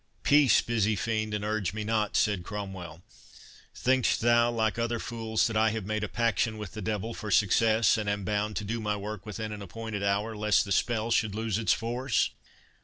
"Peace, busy fiend, and urge me not!" said Cromwell. "Think'st thou, like other fools, that I have made a paction with the devil for success, and am bound to do my work within an appointed hour, lest the spell should lose its force?"